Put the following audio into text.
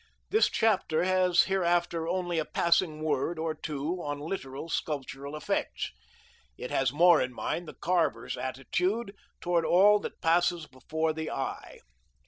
This chapter has hereafter only a passing word or two on literal sculptural effects. It has more in mind the carver's attitude toward all that passes before the eye.